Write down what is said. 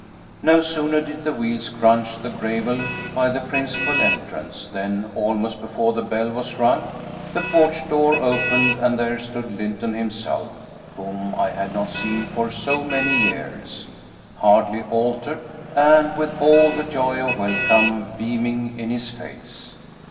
No sooner did the wheels crunch the gravel by the principal entrance, than, almost before the bell was rung, the porch door opened, and there stood Lynton himself, whom I had not seen for so many years, hardly altered, and with all the joy of welcome beaming in his face.